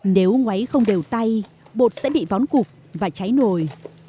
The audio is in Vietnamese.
nếu ngoáy không đều tay bột sẽ bị vón cục và cháy nồi